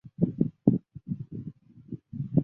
主要从浙界往粤界排列。